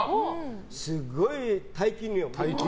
すごい大金よ。